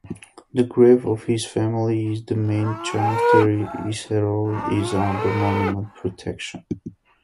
The grave of his family at the Main Cemetery Iserlohn is under monument protection.